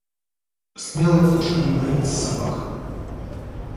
Смелая кошка не боится собак.